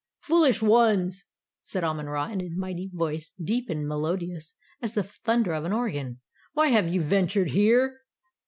"Foolish ones!" said Amon Ra in a mighty voice, deep and melodious as the thunder of an organ. "Why have you ventured here?